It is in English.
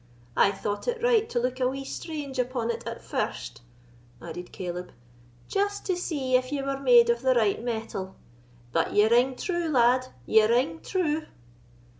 I thought it right to look a wee strange upon it at first," added Caleb, "just to see if ye were made of the right mettle; but ye ring true, lad—ye ring true!"